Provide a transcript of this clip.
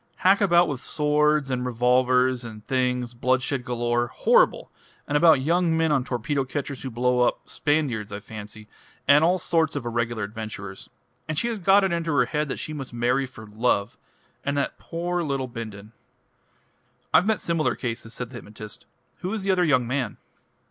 Hack about with swords and revolvers and things bloodshed galore horrible! and about young men on torpedo catchers who blow up Spaniards, I fancy and all sorts of irregular adventurers. And she has got it into her head that she must marry for Love, and that poor little Bindon " "I've met similar cases," said the hypnotist. "Who is the other young man?"